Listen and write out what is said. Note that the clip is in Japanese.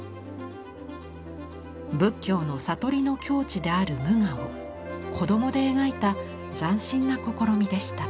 仏教の悟りの境地である「無我」を子供で描いた斬新な試みでした。